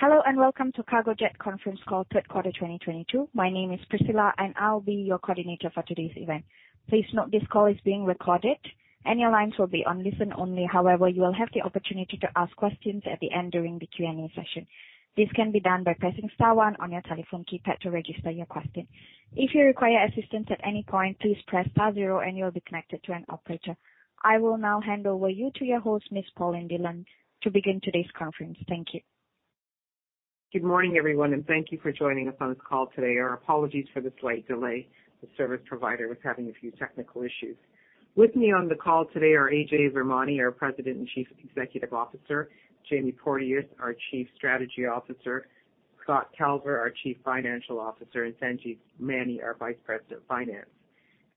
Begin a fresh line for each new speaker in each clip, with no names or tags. Hello, and welcome to Cargojet Conference Call Third Quarter 2022. My name is Priscilla, and I'll be your coordinator for today's event. Please note this call is being recorded, and your lines will be on listen only. However, you will have the opportunity to ask questions at the end during the Q&A session. This can be done by pressing star one on your telephone keypad to register your question. If you require assistance at any point, please press star zero and you'll be connected to an operator. I will now hand over you to your host, Ms. Pauline Dhillon, to begin today's conference. Thank you.
Good morning, everyone, and thank you for joining us on this call today. Our apologies for the slight delay. The service provider was having a few technical issues. With me on the call today are Ajay Virmani, our President and Chief Executive Officer, Jamie Porteous, our Chief Strategy Officer, Scott Calver, our Chief Financial Officer, and Sanjeev Maini, our Vice President of Finance.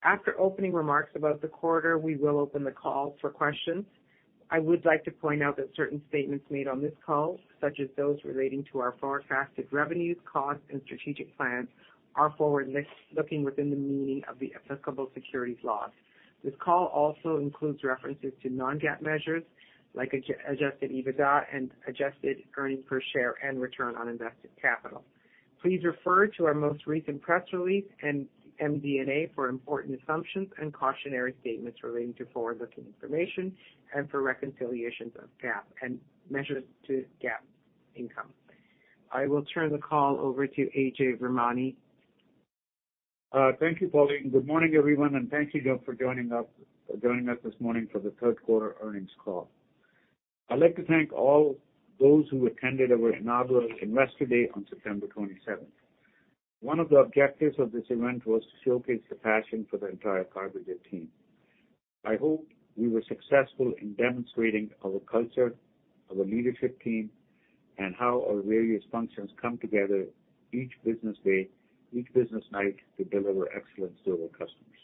After opening remarks about the quarter, we will open the call for questions. I would like to point out that certain statements made on this call, such as those relating to our forecasted revenues, costs, and strategic plans, are forward-looking within the meaning of the applicable securities laws. This call also includes references to non-GAAP measures like adjusted EBITDA and adjusted earnings per share and return on invested capital. Please refer to our most recent press release and MD&A for important assumptions and cautionary statements relating to forward-looking information and for reconciliations of GAAP and measures to GAAP income. I will turn the call over to Ajay Virmani.
Thank you, Pauline. Good morning, everyone, and thank you all, for joining us this morning for the third quarter earnings call. I'd like to thank all those who attended our inaugural Investor Day on September 27th. One of the objectives of this event was to showcase the passion for the entire Cargojet team. I hope we were successful in demonstrating our culture, our leadership team, and how our various functions come together each business day, each business night to deliver excellence to our customers.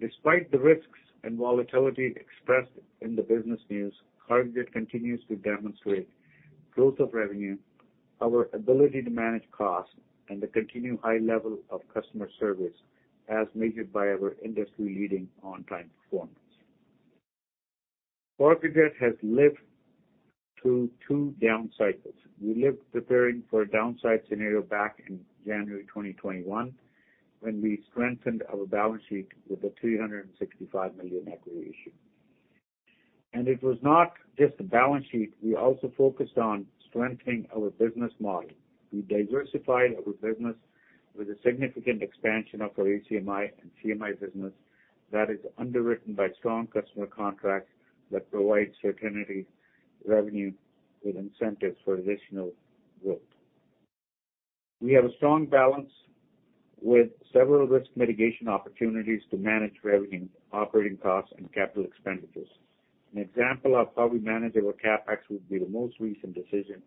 Despite the risks and volatility expressed in the business news, Cargojet continues to demonstrate growth of revenue, our ability to manage costs, and the continued high level of customer service as measured by our industry-leading on-time performance. Cargojet has lived through two down cycles. We've been preparing for a downside scenario back in January 2021 when we strengthened our balance sheet with a 365 million equity issue. It was not just the balance sheet, we also focused on strengthening our business model. We diversified our business with a significant expansion of our ACMI and CMI business that is underwritten by strong customer contracts that provide certain revenue with incentives for additional growth. We have a strong balance sheet with several risk mitigation opportunities to manage revenue, operating costs and capital expenditures. An example of how we manage our CapEx would be the most recent decision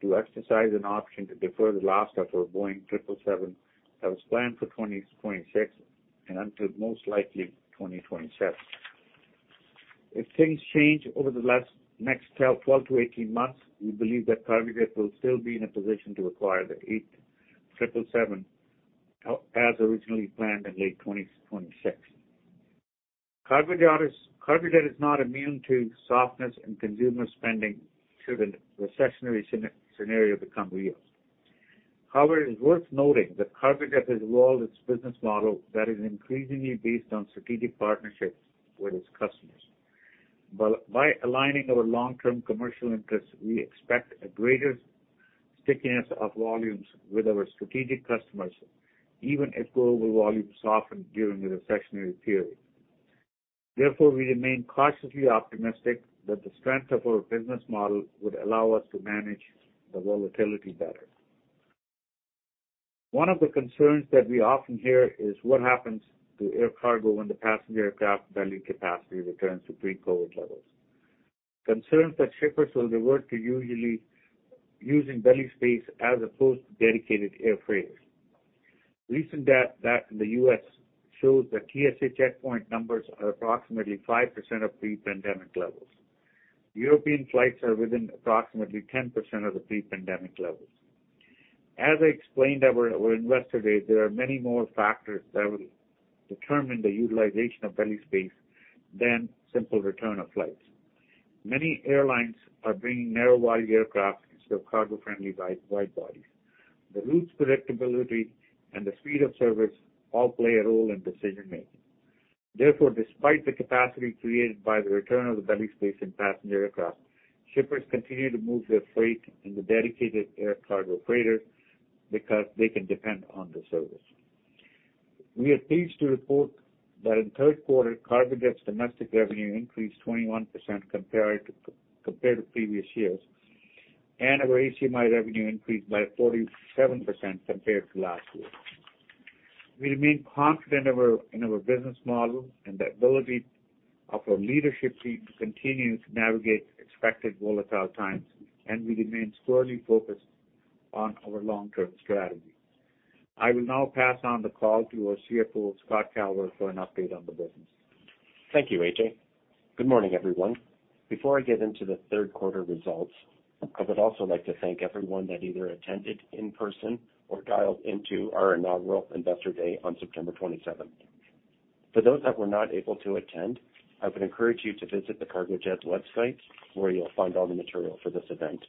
to exercise an option to defer the last of our Boeing 777 that was planned for 2026 and until most likely 2027. If things change over the last next 12 to 18 months, we believe that Cargojet will still be in a position to acquire the 777 as originally planned in late 2026. Cargojet is not immune to softness in consumer spending should the recessionary scenario become real. However, it is worth noting that Cargojet has evolved its business model that is increasingly based on strategic partnerships with its customers. By aligning our long-term commercial interests, we expect a greater stickiness of volumes with our strategic customers, even if global volumes soften during the recessionary period. Therefore, we remain cautiously optimistic that the strength of our business model would allow us to manage the volatility better. One of the concerns that we often hear is what happens to air cargo when the passenger aircraft belly capacity returns to pre-COVID levels. Concerns that shippers will revert to usually using belly space as opposed to dedicated air freight. Recent data that the U.S. shows that TSA checkpoint numbers are approximately 5% of pre-pandemic levels. European flights are within approximately 10% of the pre-pandemic levels. As I explained at our Investor Day, there are many more factors that will determine the utilization of belly space than simple return of flights. Many airlines are bringing narrow-body aircraft instead of cargo-friendly wide bodies. The route's predictability and the speed of service all play a role in decision-making. Therefore, despite the capacity created by the return of the belly space in passenger aircraft, shippers continue to move their freight in the dedicated air cargo freighter because they can depend on the service. We are pleased to report that in third quarter, Cargojet's domestic revenue increased 21% compared to previous years, and our ACMI revenue increased by 47% compared to last year. We remain confident in our business model and the ability of our leadership team to continue to navigate expected volatile times, and we remain squarely focused on our long-term strategy. I will now pass on the call to our CFO, Scott Calver, for an update on the business.
Thank you, Ajay Good morning, everyone. Before I get into the third quarter results, I would also like to thank everyone that either attended in person or dialed into our inaugural Investor Day on September 27th. For those that were not able to attend, I would encourage you to visit the Cargojet website where you'll find all the material for this event.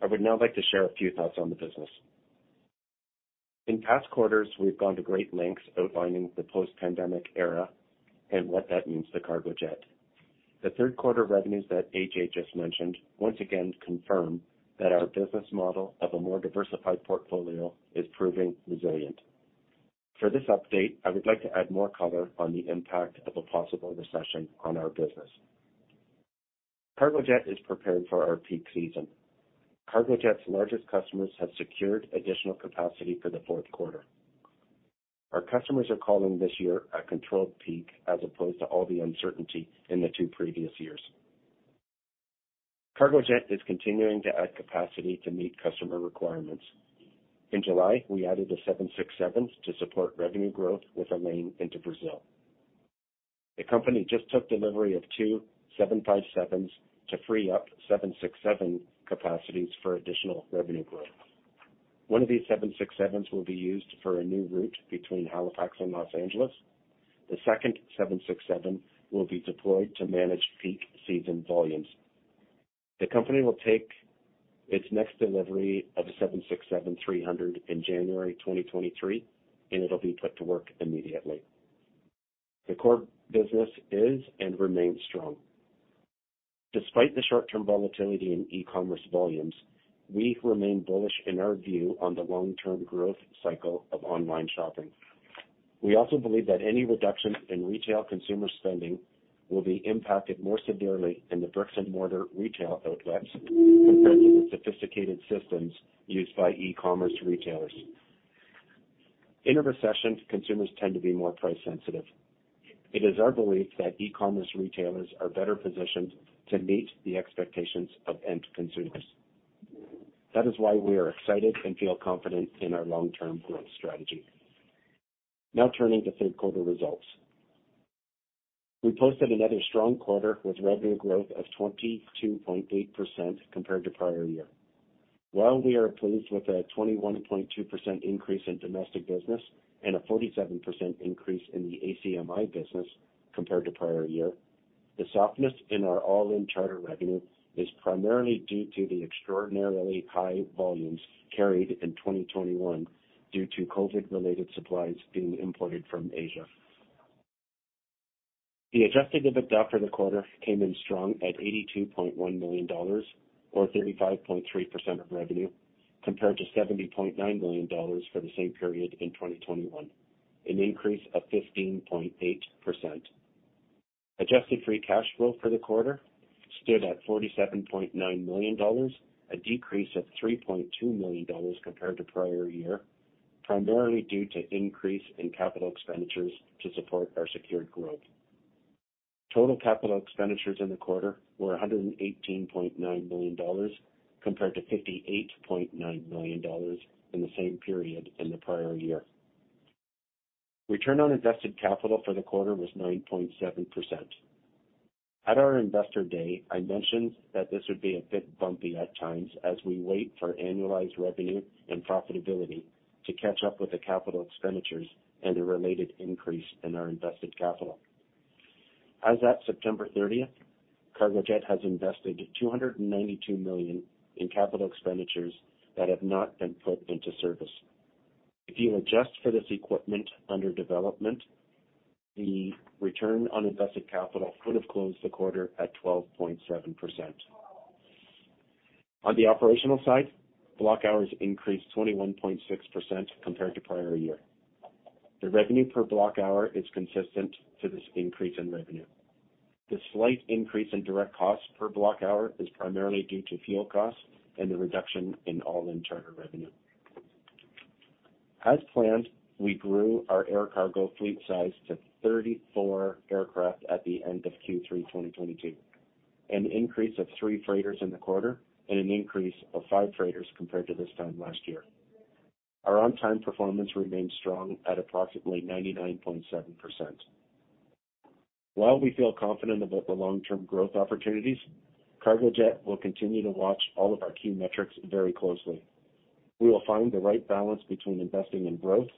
I would now like to share a few thoughts on the business. In past quarters, we've gone to great lengths outlining the post-pandemic era and what that means to Cargojet. The third quarter revenues that Ajay just mentioned once again confirm that our business model of a more diversified portfolio is proving resilient. For this update, I would like to add more color on the impact of a possible recession on our business. Cargojet is prepared for our peak season. Cargojet's largest customers have secured additional capacity for the fourth quarter. Our customers are calling this year a controlled peak as opposed to all the uncertainty in the two previous years. Cargojet is continuing to add capacity to meet customer requirements. In July, we added a 767 to support revenue growth with our lane into Brazil. The company just took delivery of two 757s to free up 767 capacities for additional revenue growth. One of these 767s will be used for a new route between Halifax and Los Angeles. The second 767 will be deployed to manage peak season volumes. The company will take its next delivery of a 767-300 in January 2023, and it'll be put to work immediately. The core business is and remains strong. Despite the short-term volatility in e-commerce volumes, we remain bullish in our view on the long-term growth cycle of online shopping. We also believe that any reduction in retail consumer spending will be impacted more severely in the bricks and mortar retail outlets compared to the sophisticated systems used by e-commerce retailers. In a recession, consumers tend to be more price sensitive. It is our belief that e-commerce retailers are better positioned to meet the expectations of end consumers. That is why we are excited and feel confident in our long-term growth strategy. Now turning to third quarter results. We posted another strong quarter with revenue growth of 22.8% compared to prior year. While we are pleased with a 21.2% increase in domestic business and a 47% increase in the ACMI business compared to prior year, the softness in our all-in charter revenue is primarily due to the extraordinarily high volumes carried in 2021 due to COVID related supplies being imported from Asia. The adjusted EBITDA for the quarter came in strong at 82.1 million dollars or 35.3% of revenue compared to 70.9 million dollars for the same period in 2021, an increase of 15.8%. Adjusted free cash flow for the quarter stood at 47.9 million dollars, a decrease of 3.2 million dollars compared to prior year, primarily due to increase in capital expenditures to support our secured growth. Total capital expenditures in the quarter were 118.9 million dollars compared to 58.9 million dollars in the same period in the prior year. Return on invested capital for the quarter was 9.7%. At our Investor Day, I mentioned that this would be a bit bumpy at times as we wait for annualized revenue and profitability to catch up with the capital expenditures and the related increase in our invested capital. As at September 30th, Cargojet has invested 292 million in capital expenditures that have not been put into service. If you adjust for this equipment under development, the return on invested capital would have closed the quarter at 12.7%. On the operational side, block hours increased 21.6% compared to prior year. The revenue per block hour is consistent to this increase in revenue. The slight increase in direct costs per block hour is primarily due to fuel costs and the reduction in all-in charter revenue. As planned, we grew our air cargo fleet size to 34 aircraft at the end of Q3 2022, an increase of three freighters in the quarter and an increase of five freighters compared to this time last year. Our on-time performance remains strong at approximately 99.7%. While we feel confident about the long-term growth opportunities, Cargojet will continue to watch all of our key metrics very closely. We will find the right balance between investing in growth,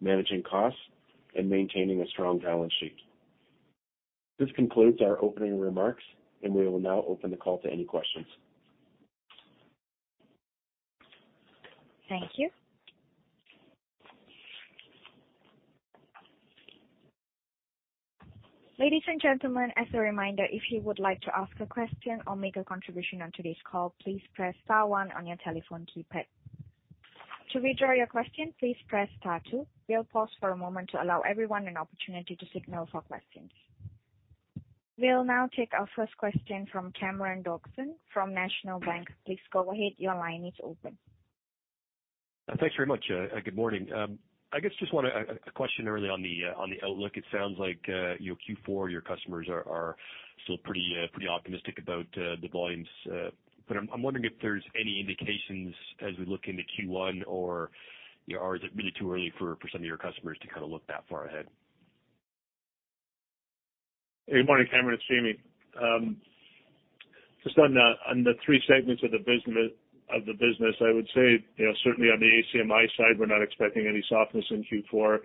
managing costs and maintaining a strong balance sheet. This concludes our opening remarks and we will now open the call to any questions.
Thank you. Ladies and gentlemen, as a reminder, if you would like to ask a question or make a contribution on today's call, please press star one on your telephone keypad. To withdraw your question, please press star two. We'll pause for a moment to allow everyone an opportunity to signal for questions. We'll now take our first question from Cameron Doerksen from National Bank. Please go ahead. Your line is open.
Thanks very much. Good morning. I guess just want a question early on the outlook. It sounds like your Q4, your customers are still pretty optimistic about the volumes. I'm wondering if there's any indications as we look into Q1 or, you know, or is it really too early for some of your customers to kind of look that far ahead?
Hey, good morning, Cameron. It's Jamie. Just on the three segments of the business, I would say, you know, certainly on the ACMI side, we're not expecting any softness in Q4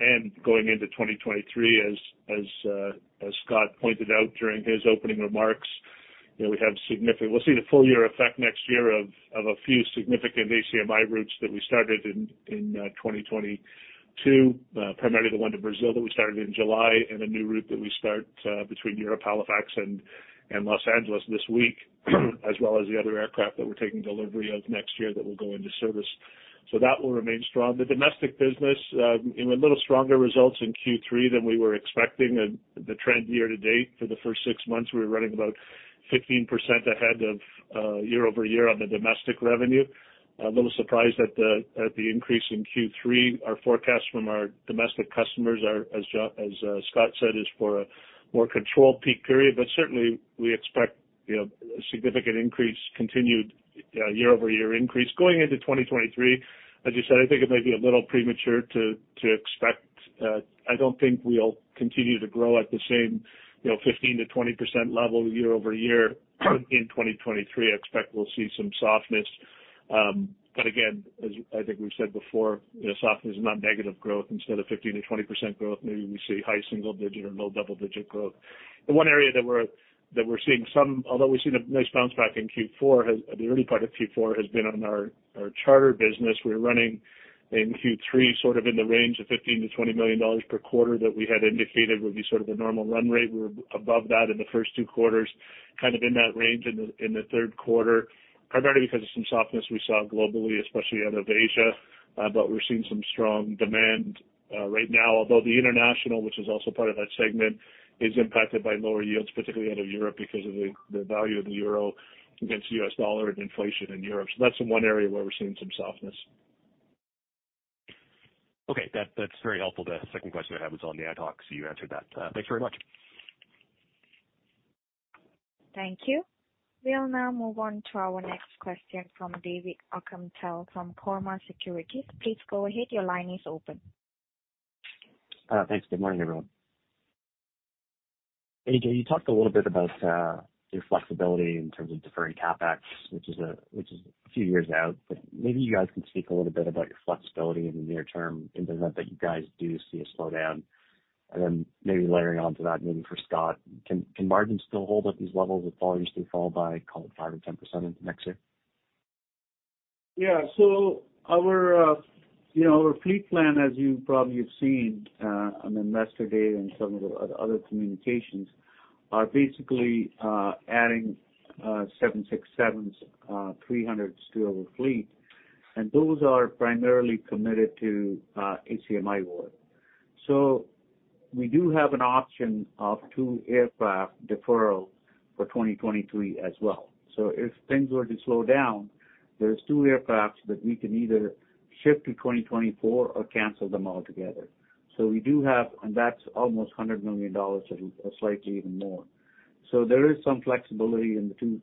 and going into 2023 as Scott pointed out during his opening remarks. You know, we have significant. We'll see the full year effect next year of a few significant ACMI routes that we started in 2022, primarily the one to Brazil that we started in July and a new route that we start between Europe, Halifax and Los Angeles this week, as well as the other aircraft that we're taking delivery of next year that will go into service. So that will remain strong. The domestic business, you know, a little stronger results in Q3 than we were expecting. The trend year to date for the first six months, we were running about 15% ahead of year-over-year on the domestic revenue. A little surprised at the increase in Q3. Our forecast from our domestic customers are as Scott said, is for a more controlled peak period. Certainly we expect, you know, a significant increase continued year-over-year increase. Going into 2023, as you said, I think it might be a little premature to expect. I don't think we'll continue to grow at the same, you know, 15%-20% level year-over-year in 2023. I expect we'll see some softness. Again, as I think we've said before, you know, softness is not negative growth. Instead of 15%-20% growth, maybe we see high single-digit or low double-digit growth. The one area that we're seeing some, although we've seen a nice bounce back in Q4, the early part of Q4 has been on our charter business. We're running in Q3 sort of in the range of 15 million-20 million dollars per quarter that we had indicated would be sort of a normal run rate. We're above that in the first two quarters, kind of in that range in the third quarter, primarily because of some softness we saw globally, especially out of Asia. We're seeing some strong demand right now, although the international, which is also part of that segment, is impacted by lower yields, particularly out of Europe, because of the value of the euro against the U.S. dollar and inflation in Europe. That's the one area where we're seeing some softness.
That's very helpful. The second question I have is on the ad hoc. You answered that. Thanks very much.
Thank you. We'll now move on to our next question from David Ocampo from Cormark Securities. Please go ahead. Your line is open.
Thanks. Good morning, everyone. Ajay, you talked a little bit about your flexibility in terms of deferring CapEx, which is a few years out, but maybe you guys can speak a little bit about your flexibility in the near term in the event that you guys do see a slowdown. Maybe layering on to that, maybe for Scott, can margins still hold at these levels if volumes do fall by, call it 5% or 10% into next year?
Yeah. Our fleet plan, as you probably have seen, on Investor Day and some of the other communications, is basically adding seven 767s, 300s to our fleet, and those are primarily committed to ACMI work. We do have an option of two aircraft deferrals for 2023 as well. If things were to slow down, there's two aircraft that we can either shift to 2024 or cancel them altogether. That's almost 100 million dollars or slightly even more. There is some flexibility in the two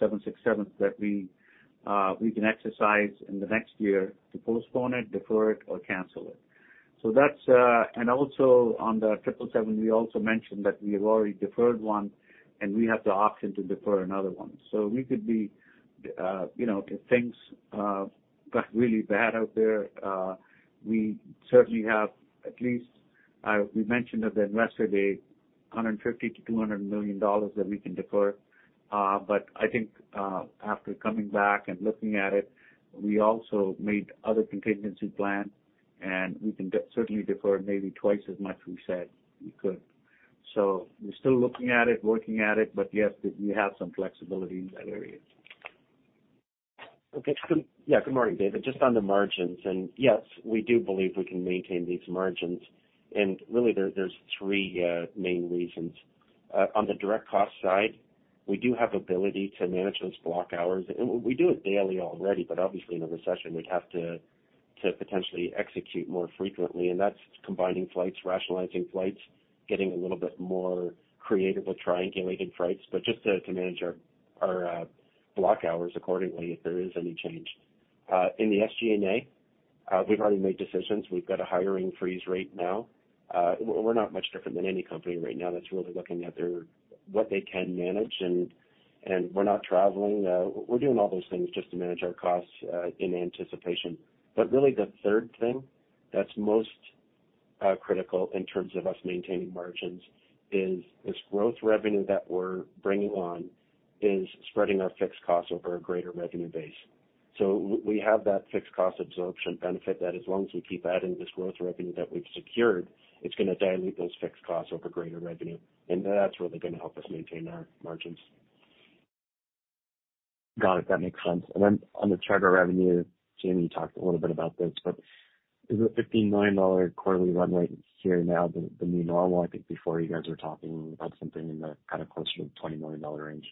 767s that we can exercise in the next year to postpone it, defer it or cancel it. That's Also on the Boeing 777, we also mentioned that we have already deferred one and we have the option to defer another one. We could be, you know, if things got really bad out there, we certainly have at least, we mentioned at the Investor Day, 150 million-200 million dollars that we can defer. But I think, after coming back and looking at it, we also made other contingency plans, and we can certainly defer maybe twice as much we said we could. We're still looking at it, working at it, but yes, we have some flexibility in that area.
Okay.
Good-
Yeah, good morning, David. Just on the margins, and yes, we do believe we can maintain these margins. Really there's three main reasons. On the direct cost side, we do have ability to manage those block hours, and we do it daily already. Obviously in a recession we'd have to potentially execute more frequently. That's combining flights, rationalizing flights, getting a little bit more creative with triangulating flights. Just to manage our block hours accordingly if there is any change. In the SG&A, we've already made decisions. We've got a hiring freeze right now. We're not much different than any company right now that's really looking at what they can manage. We're not traveling. We're doing all those things just to manage our costs in anticipation. Really the third thing that's most critical in terms of us maintaining margins is this growth revenue that we're bringing on is spreading our fixed costs over a greater revenue base. We have that fixed cost absorption benefit that as long as we keep adding this growth revenue that we've secured, it's gonna dilute those fixed costs over greater revenue, and that's really gonna help us maintain our margins.
Got it. That makes sense. On the charter revenue, Jamie, you talked a little bit about this, but is the 15 million dollar quarterly run rate here now the new normal? I think before you guys were talking about something in the kind of closer to 20 million dollar range.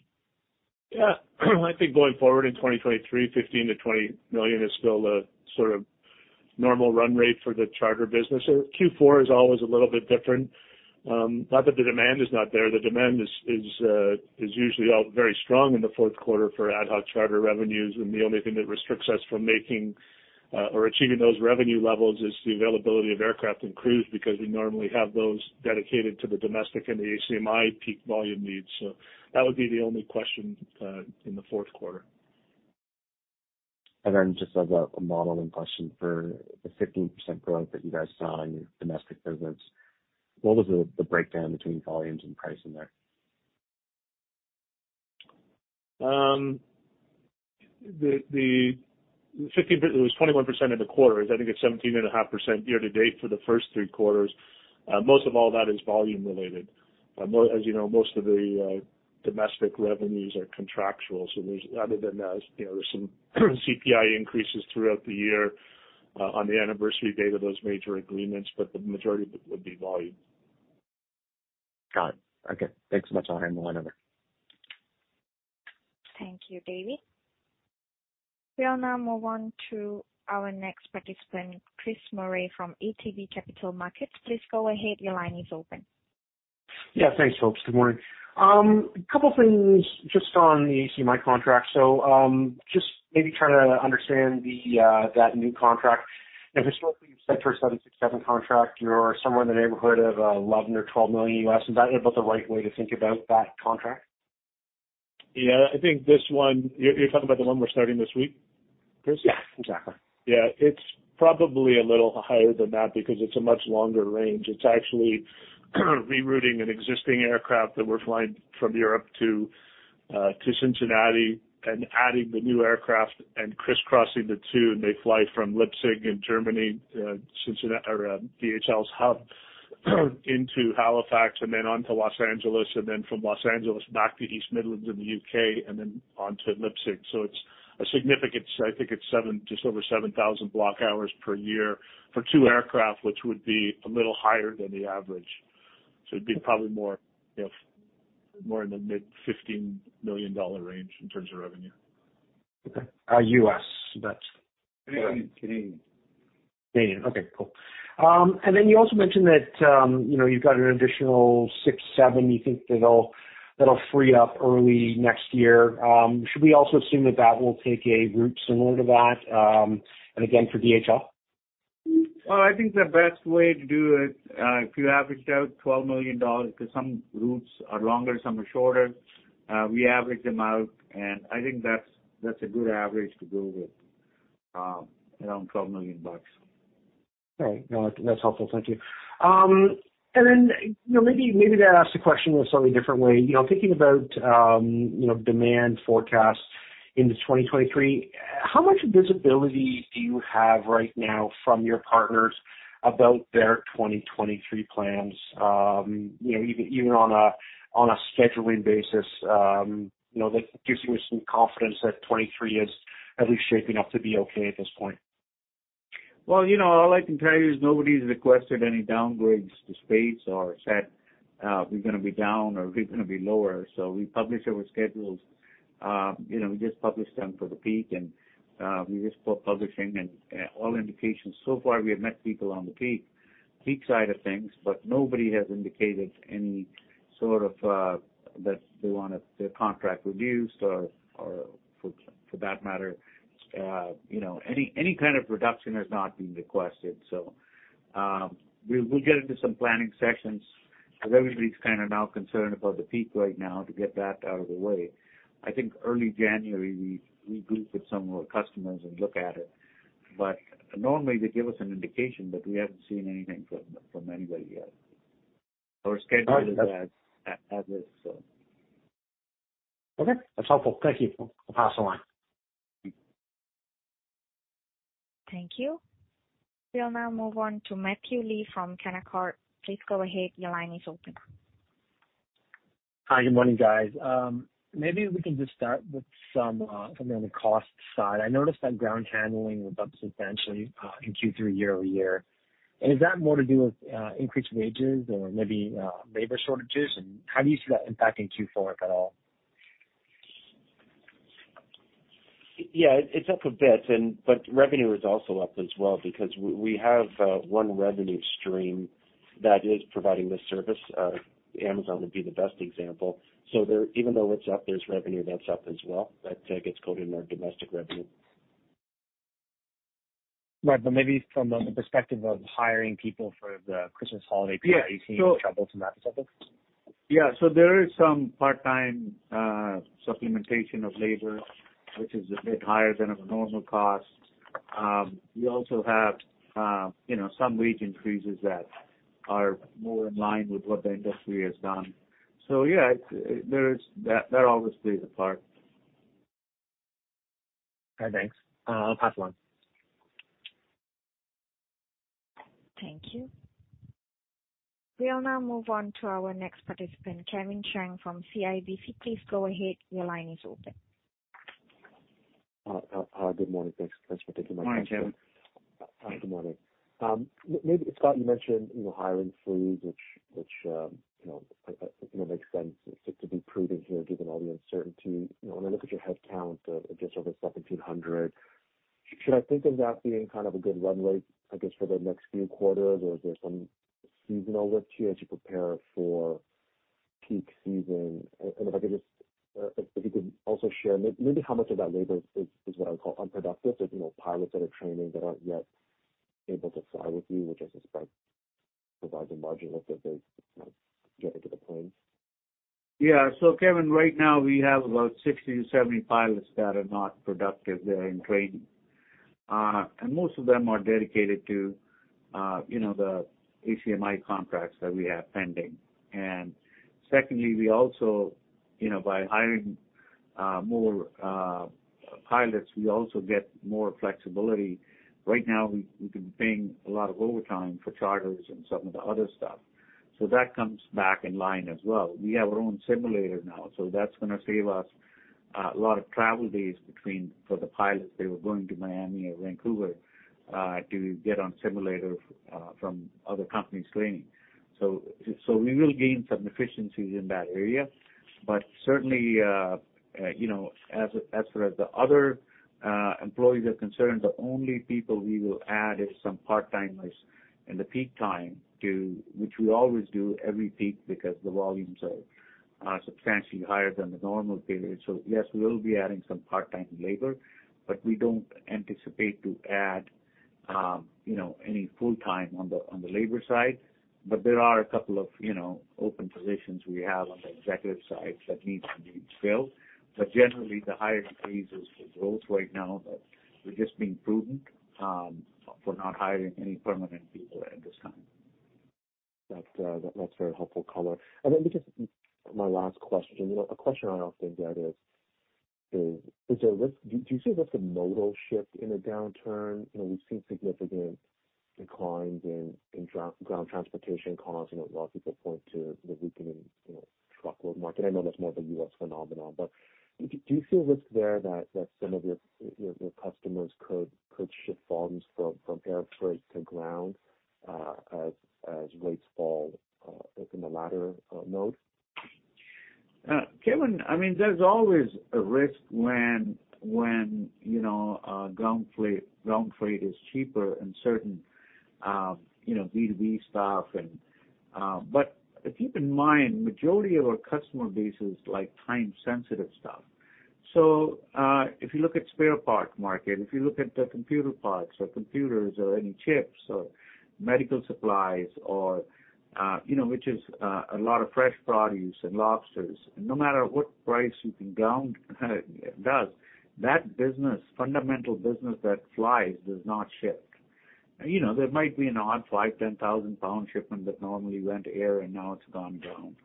Yeah. I think going forward in 2023, 15 million-20 million is still the sort of normal run rate for the charter business or Q4 is always a little bit different. Not that the demand is not there. The demand is usually all very strong in the fourth quarter for ad hoc charter revenues. The only thing that restricts us from making or achieving those revenue levels is the availability of aircraft and crews, because we normally have those dedicated to the domestic and the ACMI peak volume needs. That would be the only question in the fourth quarter.
Just as a modeling question, for the 15% growth that you guys saw in your domestic business, what was the breakdown between volumes and pricing there?
It was 21% in the quarter. I think it's 17.5% year to date for the first three quarters. Most of all that is volume related. As you know, most of the domestic revenues are contractual, so there's other than, you know, there's some CPI increases throughout the year on the anniversary date of those major agreements, but the majority of it would be volume.
Got it. Okay. Thanks so much. I'll hand the line over.
Thank you, David. We'll now move on to our next participant, Chris Murray from ATB Capital Markets. Please go ahead. Your line is open.
Yeah, thanks folks. Good morning. A couple things just on the ACMI contract. Just maybe trying to understand that new contract. Now historically, you've said for a 767 contract, you're somewhere in the neighborhood of 11 million or 12 million. Is that about the right way to think about that contract?
Yeah. I think this one. You're talking about the one we're starting this week, Chris?
Yeah, exactly.
Yeah. It's probably a little higher than that because it's a much longer range. It's actually rerouting an existing aircraft that we're flying from Europe to Cincinnati, and adding the new aircraft and crisscrossing the two. They fly from Leipzig in Germany, DHL's hub into Halifax and then on to Los Angeles, and then from Los Angeles back to East Midlands in the U.K., and then on to Leipzig. It's a significant. I think it's seven, just over 7,000 block hours per year for two aircraft, which would be a little higher than the average. It'd be probably more, you know, more in the mid 15 million dollar range in terms of revenue.
Okay.
Canadian.
Canadian. Okay, cool. You also mentioned that, you know, you've got an additional 767 you think that'll free up early next year. Should we also assume that that will take a route similar to that, and again for DHL?
Well, I think the best way to do it, if you averaged out 12 million dollars, 'cause some routes are longer, some are shorter, we average them out, and I think that's a good average to go with, around 12 million bucks.
All right. No, that's helpful. Thank you. You know, maybe then ask the question a slightly different way. You know, thinking about, you know, demand forecasts into 2023, how much visibility do you have right now from your partners about their 2023 plans, you know, even on a scheduling basis, you know, that gives you some confidence that 2023 is at least shaping up to be okay at this point?
Well, you know, all I can tell you is nobody's requested any downgrades to space or said, "We're gonna be down," or "We're gonna be lower." We publish our schedules. You know, we just published them for the peak and we're just publishing and all indications so far, we have met people on the peak side of things, but nobody has indicated any sort of that they want a contract reduced or for that matter, you know, any kind of reduction has not been requested. We'll get into some planning sessions, as everybody's kind of now concerned about the peak right now to get that out of the way. I think early January we group with some of our customers and look at it. Normally they give us an indication, but we haven't seen anything from anybody yet. Our schedule is as is, so.
Okay. That's helpful. Thank you. I'll pass along.
Thank you. We'll now move on to Matthew Lee from Canaccord Genuity. Please go ahead. Your line is open.
Hi, good morning, guys. Maybe we can just start with some something on the cost side. I noticed that ground handling went up substantially in Q3 year-over-year. Is that more to do with increased wages or maybe labor shortages? How do you see that impacting Q4 at all?
Yeah, it's up a bit, but revenue is also up as well because we have one revenue stream that is providing this service. Amazon would be the best example. There, even though it's up, there's revenue that's up as well that gets coded in our domestic revenue.
Right. Maybe from the perspective of hiring people for the Christmas holiday.
Yeah.
Are you seeing any troubles in that respect?
Yeah. There is some part-time supplementation of labor, which is a bit higher than a normal cost. We also have, you know, some wage increases that are more in line with what the industry has done. That all plays a part.
All right, thanks. I'll pass along.
Thank you. We'll now move on to our next participant, Kevin Chiang from CIBC. Please go ahead. Your line is open.
Good morning. Thanks for taking my call.
Good morning, Kevin.
Good morning. Maybe, Scott, you mentioned, you know, hiring freeze, which you know makes sense to be prudent here given all the uncertainty. You know, when I look at your headcount of just over 1,700, should I think of that being kind of a good run rate, I guess, for the next few quarters? Or is there some seasonal lift here as you prepare for peak season? If you could also share maybe how much of that labor is what I'd call unproductive. You know, pilots that are training that aren't yet able to fly with you, which I suspect provides a margin lift as they, you know, get into the planes.
Yeah. Kevin, right now we have about 60-70 pilots that are not productive. They're in training. Most of them are dedicated to, you know, the ACMI contracts that we have pending. Secondly, we also, you know, by hiring more pilots, we also get more flexibility. Right now, we've been paying a lot of overtime for charters and some of the other stuff, so that comes back in line as well. We have our own simulator now, so that's gonna save us a lot of travel days between for the pilots. They were going to Miami or Vancouver to get on simulator from other companies' training. We will gain some efficiencies in that area. Certainly, you know, as far as the other employees are concerned, the only people we will add is some part-timers in the peak time to which we always do every peak because the volumes are substantially higher than the normal period. Yes, we will be adding some part-time labor, but we don't anticipate to add, you know, any full-time on the labor side. There are a couple of, you know, open positions we have on the executive side that needs to be filled. Generally, the hiring freeze is for growth right now, but we're just being prudent, for not hiring any permanent people at this time.
That's very helpful color. Then just my last question. A question I often get is, do you see a risk of modal shift in a downturn? We've seen significant declines in ground transportation costs. A lot of people point to the weakening truckload market. I know that's more of a U.S. phenomenon, but do you see a risk there that some of your customers could shift volumes from air freight to ground as rates fall in the latter mode?
Kevin, I mean, there's always a risk when you know, ground freight is cheaper and certain, you know, B2B stuff and. If you keep in mind, majority of our customer base is like time sensitive stuff. If you look at spare parts market, if you look at the computer parts or computers or any chips or medical supplies or, you know, which is a lot of fresh produce and lobsters, no matter what price you think ground does, that business, fundamental business that flies does not shift. You know, there might be an odd 5-10,000-pound shipment that normally went to air and now it's gone ground.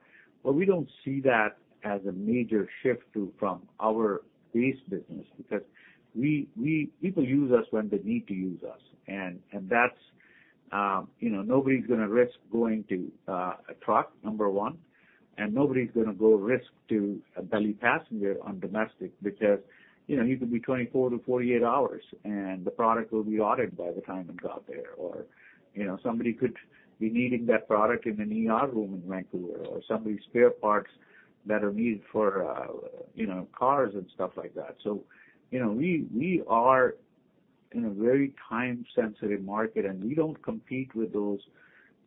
We don't see that as a major shift to from our base business because people use us when they need to use us. That's you know, nobody's gonna risk going to a truck, number one, and nobody's gonna go risk to a belly passenger on domestic because, you know, you could be 24-48 hours, and the product will be audited by the time it got there. Or, you know, somebody could be needing that product in an ER room in Vancouver or somebody's spare parts that are needed for, you know, cars and stuff like that. You know, we are in a very time sensitive market, and we don't compete with those.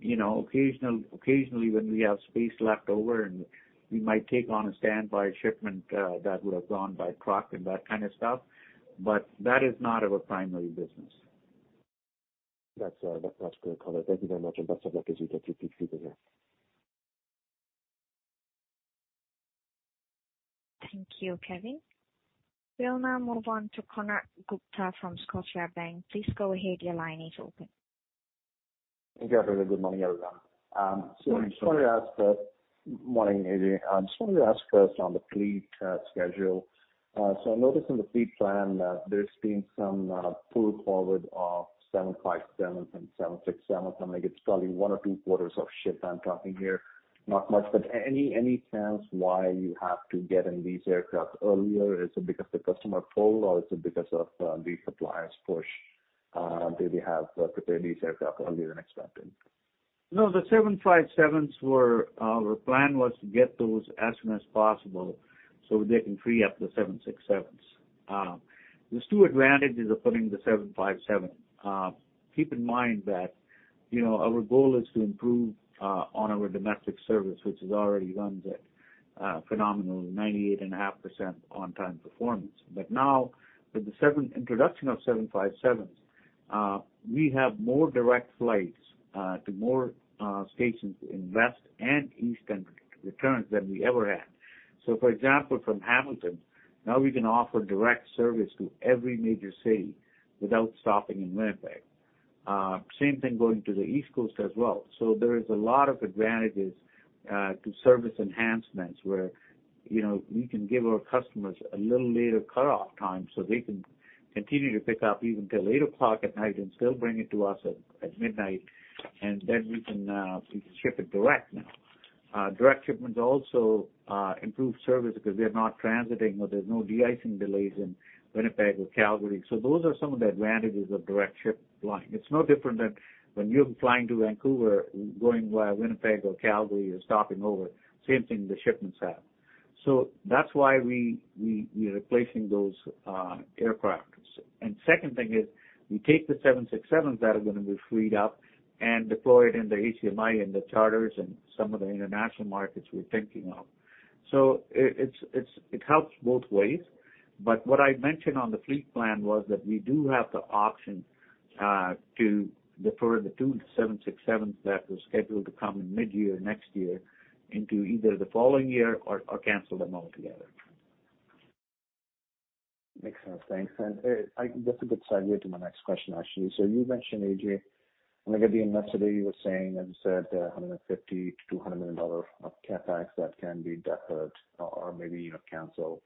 You know, occasionally when we have space left over and we might take on a standby shipment that would have gone by truck and that kind of stuff, but that is not our primary business.
That's great color. Thank you very much, and best of luck as you get through peak season.
Thank you, Kevin. We'll now move on to Konark Gupta from Scotiabank. Please go ahead. Your line is open.
Thank you. Have a good morning, everyone. I just wanted to ask. Morning, Ajay. I just wanted to ask first on the fleet schedule. I noticed in the fleet plan that there's been some pull forward of 757s and 767s. I think it's probably one or two quarters of shift I'm talking here, not much. Any sense why you have to get in these aircraft earlier? Is it because the customer pull or is it because of the suppliers push that you have to prepare these aircraft earlier than expected?
No, the 757s were our plan was to get those as soon as possible so we can free up the 767s. There's two advantages of putting the 757. Keep in mind that, you know, our goal is to improve on our domestic service, which is already runs at phenomenal 98.5% on-time performance. Now with the introduction of 757s, we have more direct flights to more stations in west and eastern returns than we ever had. For example, from Hamilton, now we can offer direct service to every major city without stopping in Winnipeg. Same thing going to the East Coast as well. There is a lot of advantages to service enhancements where, you know, we can give our customers a little later cutoff time, so they can continue to pick up even till 8:00 P.M. and still bring it to us at midnight, and then we can ship it direct now. Direct shipments also improve service because they're not transiting or there's no de-icing delays in Winnipeg or Calgary. Those are some of the advantages of direct ship flying. It's no different than when you're flying to Vancouver, going via Winnipeg or Calgary or stopping over, same thing the shipments have. That's why we're replacing those aircraft. Second thing is we take the 767s that are gonna be freed up and deploy it in the ACMI and the charters and some of the international markets we're thinking of. It helps both ways. What I mentioned on the fleet plan was that we do have the option to defer the two 767s that were scheduled to come in midyear next year into either the following year or cancel them altogether.
Makes sense. Thanks. Just a good segue to my next question, actually. You mentioned, Ajay, when I got in yesterday, you were saying, as you said, 150 million-200 million dollar of CapEx that can be deferred or maybe, you know, canceled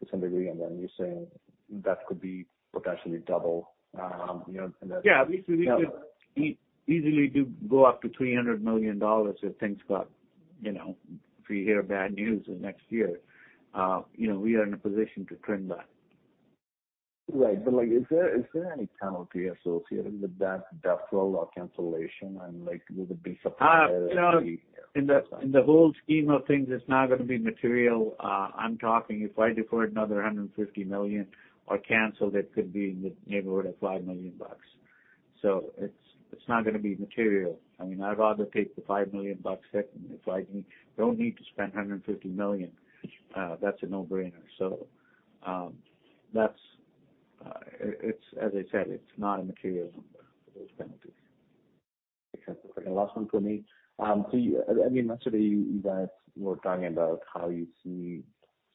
to some degree, and then you're saying that could be potentially double, you know, and that
Yeah. We could easily go up to 300 million dollars if things got, you know, if we hear bad news in next year, you know, we are in a position to trim that.
Right. Like, is there any penalty associated with that deferral or cancellation, and like would it be.
You know, in the whole scheme of things, it's not gonna be material. I'm talking if I defer another 150 million or cancel, that could be in the neighborhood of $5 million. It's not gonna be material. I mean, I'd rather take the $5 million hit if I don't need to spend 150 million. That's a no-brainer. As I said, it's not a material number for those penalties.
Okay. The last one for me. I mean, yesterday you guys were talking about how you see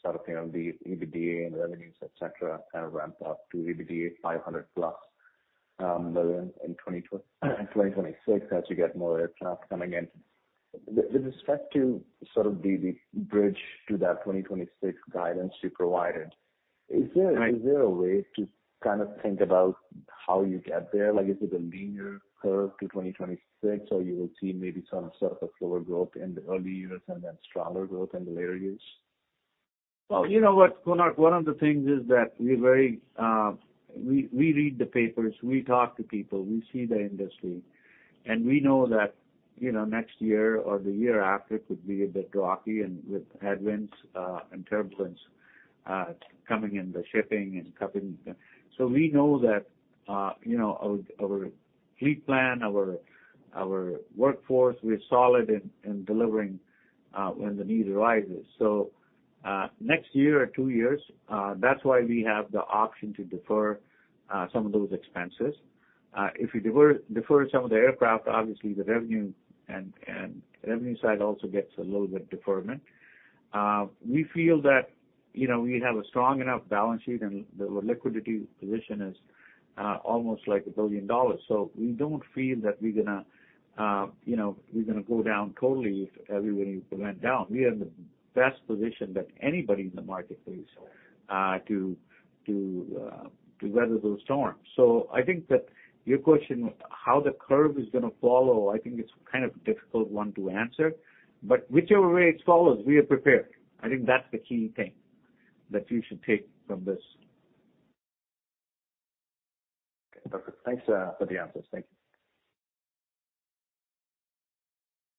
sort of, you know, the EBITDA and revenues, et cetera, kind of ramp up to EBITDA 500+ million in 2026 as you get more aircraft coming in. With respect to sort of the bridge to that 2026 guidance you provided, is there?
Right.
Is there a way to kind of think about how you get there? Like is it a linear curve to 2026, or you will see maybe sort of set a slower growth in the early years and then stronger growth in the later years?
Well, you know what, Konark? One of the things is that we read the papers, we talk to people, we see the industry, and we know that, you know, next year or the year after could be a bit rocky and with headwinds and turbulence coming in the shipping and commerce. We know that our fleet plan, our workforce, we're solid in delivering when the need arises. Next year or two years, that's why we have the option to defer some of those expenses. If we defer some of the aircraft, obviously the revenue side also gets a little bit deferment. We feel that, you know, we have a strong enough balance sheet, and the liquidity position is almost 1 billion dollars. We don't feel that we're gonna go down totally if everybody went down. We are in the best position that anybody in the market is to weather those storms. I think that your question, how the curve is gonna follow, I think it's kind of a difficult one to answer. Whichever way it follows, we are prepared. I think that's the key thing that you should take from this.
Okay. Perfect. Thanks, for the answers. Thank you.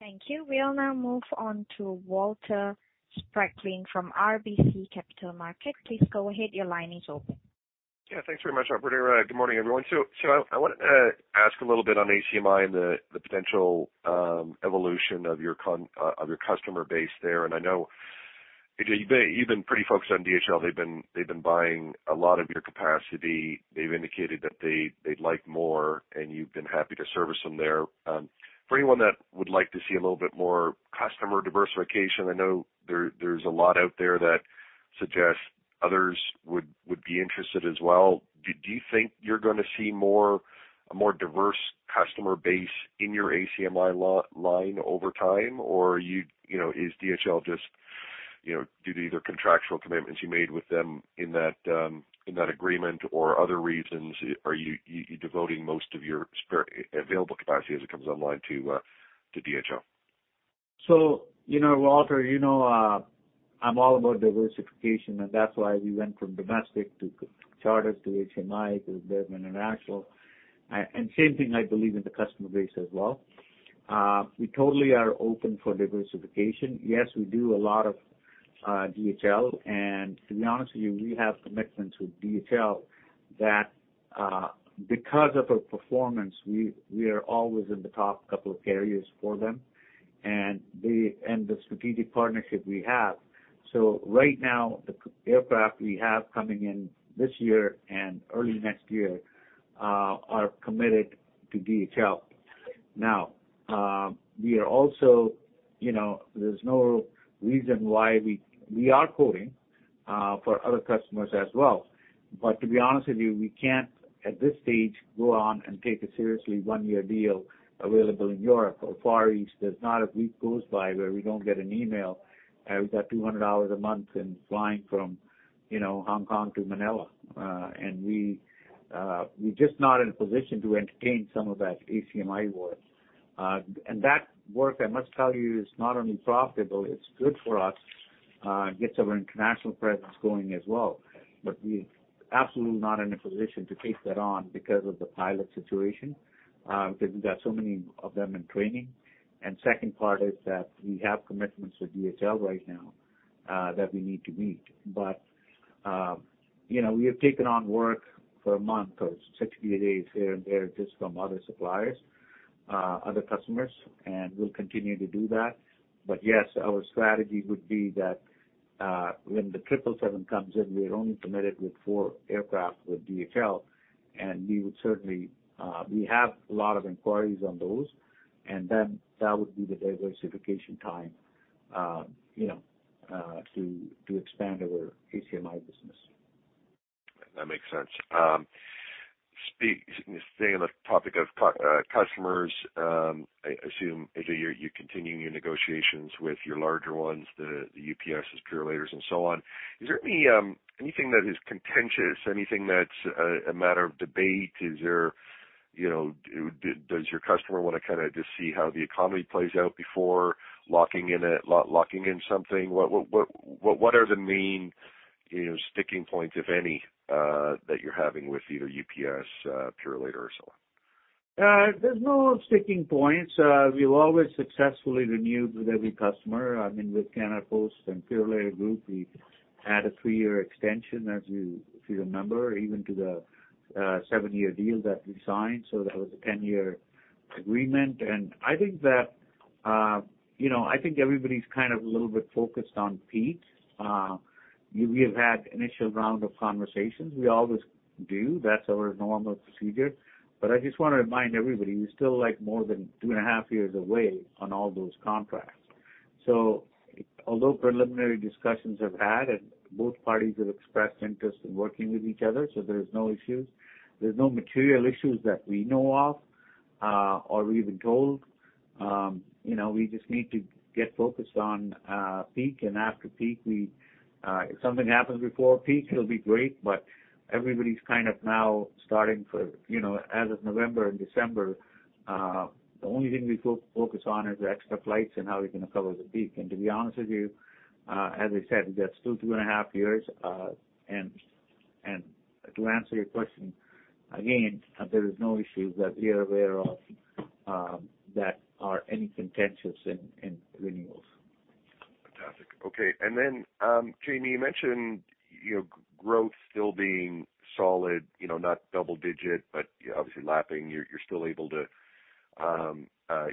Thank you. We'll now move on to Walter Spracklin from RBC Capital Markets. Please go ahead. Your line is open.
Yeah. Thanks very much, Operator. Good morning, everyone. I wanted to ask a little bit on ACMI and the potential evolution of your customer base there. I know, Ajay, you've been pretty focused on DHL. They've been buying a lot of your capacity. They've indicated that they'd like more, and you've been happy to service them there. For anyone that would like to see a little bit more customer diversification, I know there's a lot out there that suggest others would be interested as well. Do you think you're gonna see more, a more diverse customer base in your ACMI line over time? You know, is DHL just, you know, due to either contractual commitments you made with them in that agreement or other reasons, are you devoting most of your spare, available capacity as it comes online to DHL?
You know, Walter, you know, I'm all about diversification, and that's why we went from domestic to charters to ACMI to international. Same thing, I believe, in the customer base as well. We totally are open for diversification. Yes, we do a lot of DHL. To be honest with you, we have commitments with DHL that, because of our performance, we are always in the top couple of carriers for them and the strategic partnership we have. Right now, the aircraft we have coming in this year and early next year are committed to DHL. Now, we are also, you know, there's no reason why we are quoting for other customers as well. To be honest with you, we can't, at this stage, go on and take a serious one-year deal available in Europe or Far East. There's not a week goes by where we don't get an email, we've got 200 hours a month in flying from Hong Kong to Manila. We're just not in a position to entertain some of that ACMI work. That work, I must tell you, is not only profitable, it's good for us, gets our international presence going as well. We're absolutely not in a position to take that on because of the pilot situation, because we've got so many of them in training. Second part is that we have commitments with DHL right now, that we need to meet. You know, we have taken on work for a month or 60 days here and there just from other suppliers, other customers, and we'll continue to do that. Yes, our strategy would be that, when the Boeing 777 comes in, we're only committed with four aircraft with DHL, and we would certainly we have a lot of inquiries on those. That would be the diversification time, you know, to expand our ACMI business.
That makes sense. Staying on the topic of customers, I assume, Ajay, you're continuing your negotiations with your larger ones, the UPSs, Purolators and so on. Is there anything that is contentious? Anything that's a matter of debate? Is there, you know, does your customer wanna kinda just see how the economy plays out before locking in something? What are the main, you know, sticking points, if any, that you're having with either UPS, Purolator or so on?
There's no sticking points. We've always successfully renewed with every customer. I mean, with Canada Post and Purolator Inc, we had a three-year extension, as you, if you remember, even to the seven-year deal that we signed. That was a ten-year agreement. I think that, you know, I think everybody's kind of a little bit focused on peak. We have had initial round of conversations. We always do. That's our normal procedure. I just wanna remind everybody, we're still, like, more than two and a half years away on all those contracts. Although preliminary discussions have had and both parties have expressed interest in working with each other, there's no issues. There's no material issues that we know of, or we've been told. You know, we just need to get focused on peak. After peak, we, if something happens before peak, it'll be great, but everybody's kind of now starting for, you know, as of November and December, the only thing we focus on is the extra flights and how we're gonna cover the peak. To be honest with you, as I said, we got still two and a half years. To answer your question, again, there is no issues that we are aware of, that are any contentious in renewals.
Fantastic. Okay. Jamie, you mentioned your growth still being solid, you know, not double-digit, but obviously lapping. You're still able to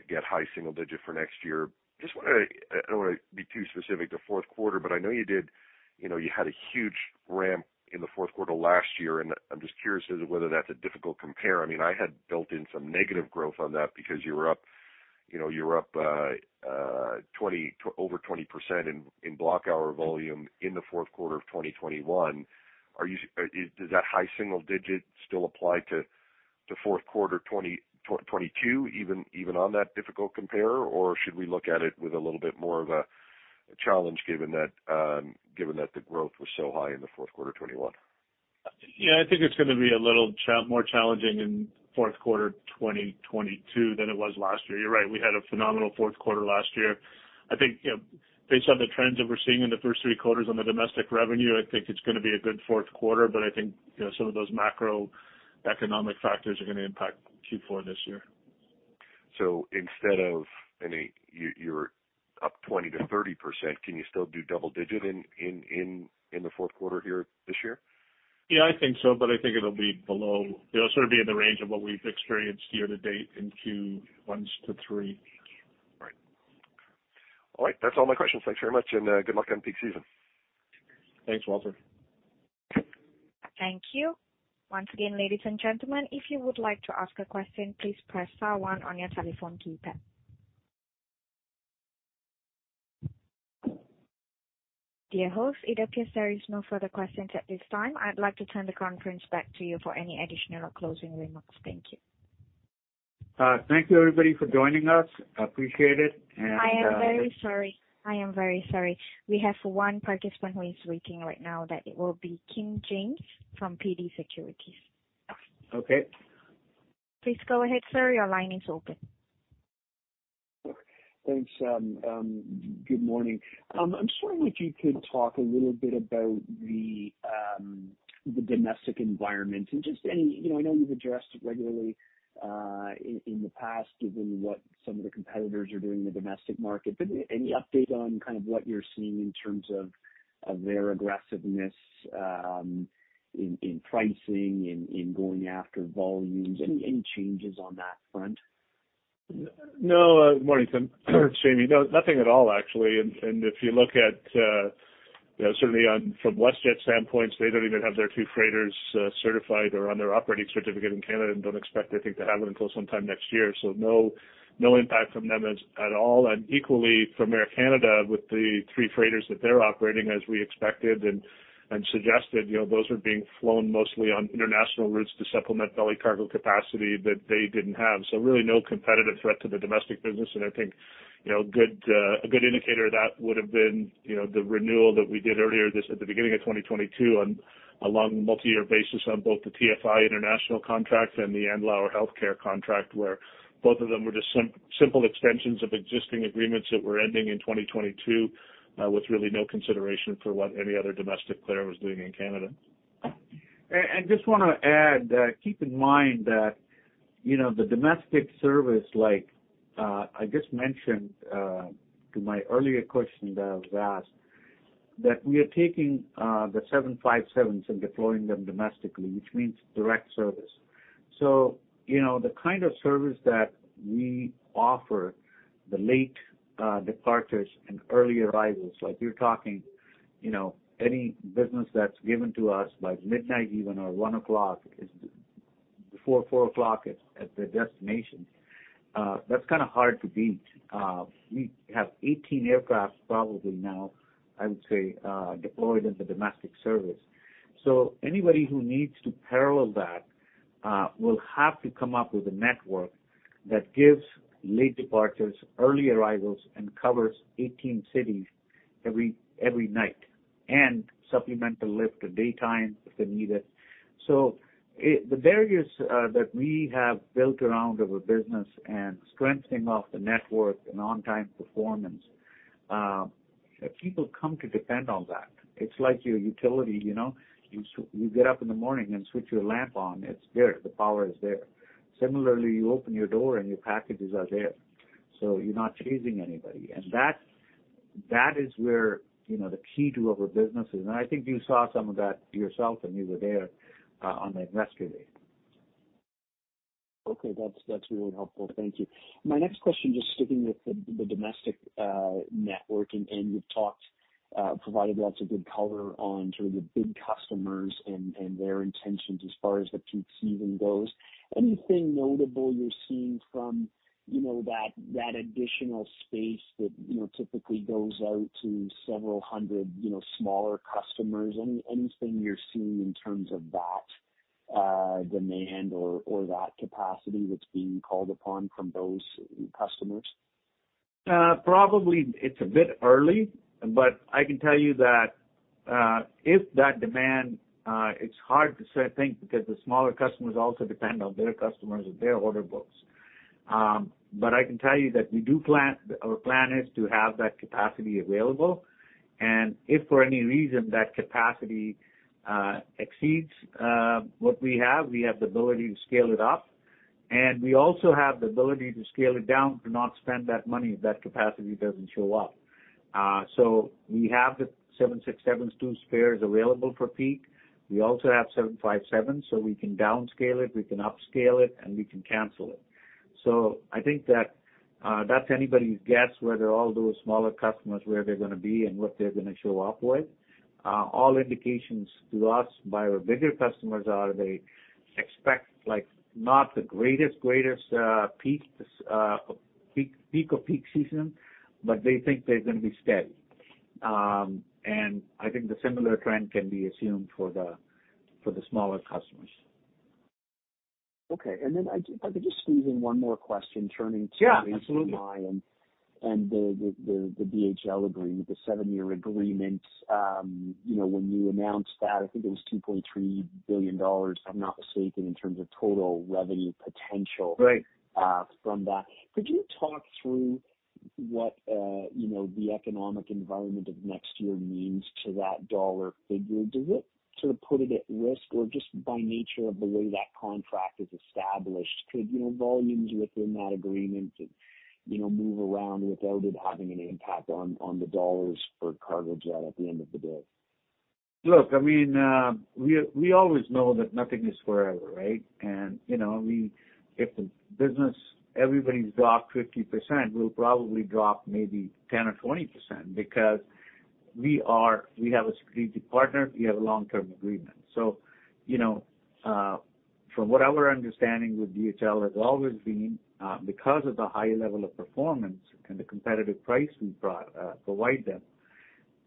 get high single-digit for next year. I don't wanna be too specific to fourth quarter, but I know you did, you know, you had a huge ramp in the fourth quarter last year, and I'm just curious as to whether that's a difficult compare. I mean, I had built in some negative growth on that because you were up, you know, you were up over 20% in block-hour volume in the fourth quarter of 2021. Does that high single-digit still apply to fourth quarter 2022, even on that difficult compare? Should we look at it with a little bit more of a challenge given that the growth was so high in the fourth quarter 2021?
Yeah, I think it's gonna be a little more challenging in fourth quarter 2022 than it was last year. You're right. We had a phenomenal fourth quarter last year. I think, you know, based on the trends that we're seeing in the first three quarters on the domestic revenue, I think it's gonna be a good fourth quarter. I think, you know, some of those macroeconomic factors are gonna impact Q4 this year.
You're up 20%-30%, can you still do double digit in the fourth quarter here this year?
Yeah, I think so. I think it'll be below. It'll sort of be in the range of what we've experienced year to date in Q1 to Q3.
Right. All right. That's all my questions. Thanks very much and good luck on peak season.
Thanks, Walter.
Thank you. Once again, ladies and gentlemen, if you would like to ask a question, please press star one on your telephone keypad. Dear host, it appears there is no further questions at this time. I'd like to turn the conference back to you for any additional closing remarks. Thank you.
Thank you everybody for joining us. Appreciate it and.
I am very sorry. We have one participant who is waiting right now that it will be Tim James from TD Securities.
Okay.
Please go ahead, sir. Your line is open.
Thanks. Good morning. I'm just wondering if you could talk a little bit about the domestic environment. You know, I know you've addressed it regularly in the past, given what some of the competitors are doing in the domestic market. Any update on kind of what you're seeing in terms of their aggressiveness in pricing, in going after volumes? Any changes on that front?
No. Morning, Tim. It's Jamie. No, nothing at all, actually. If you look at, you know, certainly from WestJet standpoint, they don't even have their two freighters certified or on their operating certificate in Canada and don't expect, I think, to have them until sometime next year. No impact from them at all. Equally from Air Canada with the three freighters that they're operating, as we expected and suggested, you know, those are being flown mostly on international routes to supplement belly cargo capacity that they didn't have. Really no competitive threat to the domestic business. I think, you know, a good indicator of that would've been, you know, the renewal that we did earlier this, at the beginning of 2022 on a long multi-year basis on both the TFI International contract and the Andlauer Healthcare Group contract, where both of them were just simple extensions of existing agreements that were ending in 2022, with really no consideration for what any other domestic carrier was doing in Canada.
Just want to add, keep in mind that you know, the domestic service, like, I just mentioned to my earlier question that was asked, that we are taking the 757s and deploying them domestically, which means direct service. You know, the kind of service that we offer, the late departures and early arrivals, like you're talking, you know, any business that's given to us by midnight even or one o'clock is before four o'clock at the destination, that's kinda hard to beat. We have 18 aircraft probably now, I would say, deployed in the domestic service. Anybody who needs to parallel that will have to come up with a network that gives late departures, early arrivals, and covers 18 cities every night, and supplemental lift at daytime if they need it. The barriers that we have built around our business and strengthening of the network and on-time performance, people come to depend on that. It's like your utility, you know. You get up in the morning and switch your lamp on, it's there. The power is there. Similarly, you open your door and your packages are there, so you're not chasing anybody. That is where, you know, the key to our business is. I think you saw some of that yourself when you were there on Investor Day.
Okay. That's really helpful. Thank you. My next question, just sticking with the domestic network. You've talked, provided lots of good color on sort of the big customers and their intentions as far as the peak season goes. Anything notable you're seeing from, you know, that additional space that, you know, typically goes out to several hundred, you know, smaller customers? Anything you're seeing in terms of that demand or that capacity that's being called upon from those customers?
Probably it's a bit early, but I can tell you that if that demand, it's hard to say I think because the smaller customers also depend on their customers and their order books. I can tell you that we plan to have that capacity available. If for any reason that capacity exceeds what we have, we have the ability to scale it up, and we also have the ability to scale it down to not spend that money if that capacity doesn't show up. We have the 767s, two spares available for peak. We also have 757, so we can downscale it, we can upscale it, and we can cancel it. I think that that's anybody's guess whether all those smaller customers, where they're gonna be and what they're gonna show up with. All indications to us by our bigger customers are they expect like not the greatest peak of peak season, but they think they're gonna be steady. I think the similar trend can be assumed for the smaller customers.
Okay. If I could just squeeze in one more question turning to-
Yeah, absolutely.
Asia Fly and the DHL agreement, the seven-year agreement. You know, when you announced that, I think it was $2.3 billion, if I'm not mistaken, in terms of total revenue potential.
Right.
From that. Could you talk through what, you know, the economic environment of next year means to that dollar figure? Does it sort of put it at risk, or just by nature of the way that contract is established, could, you know, volumes within that agreement, you know, move around without it having an impact on the dollars for Cargojet at the end of the day?
Look, I mean, we always know that nothing is forever, right? You know, if the business, everybody's dropped 50%, we'll probably drop maybe 10% or 20% because we have a strategic partner, we have a long-term agreement. You know, from what our understanding with DHL has always been, because of the high level of performance and the competitive price we provide them,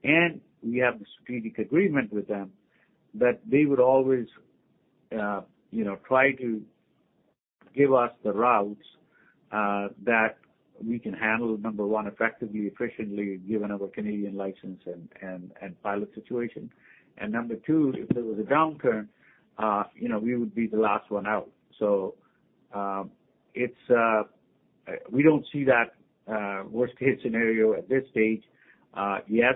and we have the strategic agreement with them, that they would always, you know, try to give us the routes that we can handle, number one, effectively, efficiently given our Canadian license and pilot situation. Number two, if there was a downturn, you know, we would be the last one out. We don't see that worst case scenario at this stage. Yes,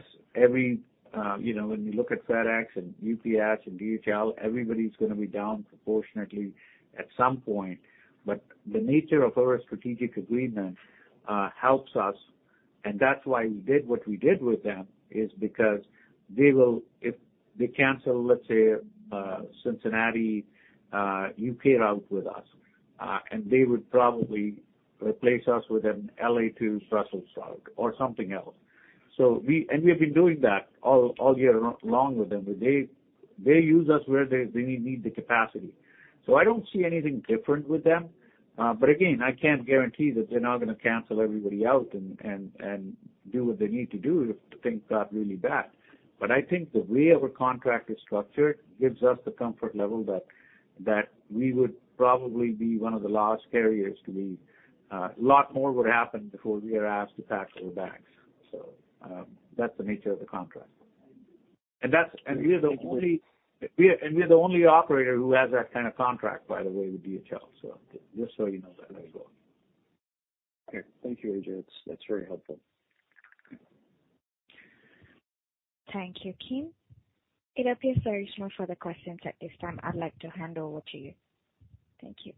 you know, when you look at FedEx and UPS and DHL, everybody's gonna be down proportionately at some point. The nature of our strategic agreement helps us, and that's why we did what we did with them, is because they will if they cancel, let's say, Cincinnati, you pair out with us. They would probably replace us with an LA to Brussels route or something else. We have been doing that all year long with them. They use us where they need the capacity. I don't see anything different with them. Again, I can't guarantee that they're not gonna cancel everybody out and do what they need to do if things got really bad. I think the way our contract is structured gives us the comfort level that we would probably be one of the last carriers to leave. A lot more would happen before we are asked to pack our bags. That's the nature of the contract.
Thank you.
We are the only operator who has that kind of contract, by the way, with DHL. Just so you know that going.
Okay. Thank you, Ajay. That's very helpful.
Thank you, Tim. It appears there is no further questions at this time. I'd like to hand over to you. Thank you.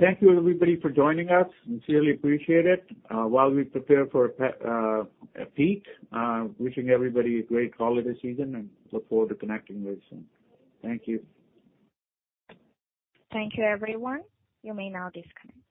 Thank you, everybody, for joining us. Sincerely appreciate it. While we prepare for a peak, wishing everybody a great holiday season and look forward to connecting very soon. Thank you.
Thank you, everyone. You may now disconnect.